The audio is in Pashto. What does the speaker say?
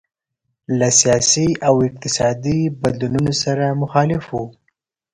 له سیاسي او اقتصادي بدلونونو سره مخالف وو.